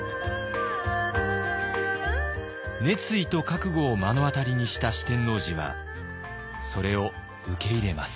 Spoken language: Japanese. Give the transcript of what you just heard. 熱意と覚悟を目の当たりにした四天王寺はそれを受け入れます。